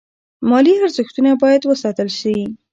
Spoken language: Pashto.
مالي ارزښتونه باید وساتل شي.